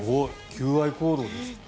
求愛行動ですって。